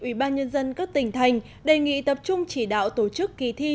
ủy ban nhân dân các tỉnh thành đề nghị tập trung chỉ đạo tổ chức kỳ thi